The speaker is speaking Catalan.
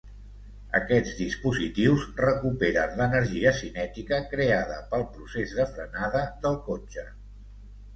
Aquests dispositius recuperen l'energia cinètica creada pel procés de frenada del cotxe.